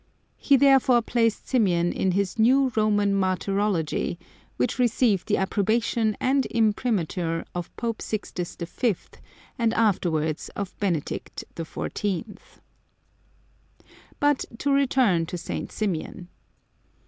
He therefore placed Symeon in his new Roman Martyrology, which received the approbation and imprimatur of Pope Sixtus V. and afterwards of Benedict XIV. But to return to St. Symeon.